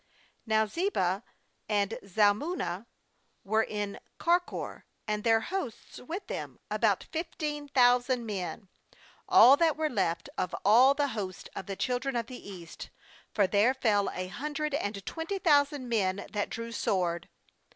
10Now Zebah and Zalmunna were in Karkor, and their hosts with them, about fifteen thousand men, all that were left of all the host of the children of the east; for there fell a hundred and twenty thousand men that drew sword.